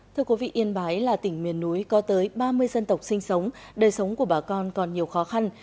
thưa quý vị yên bái là tỉnh miền núi có tới ba mươi dân tộc sinh sống đời sống của bà con còn nhiều khó khăn